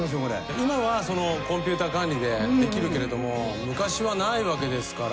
今はコンピューター管理でできるけれども昔はないわけですから。